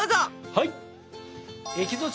はい！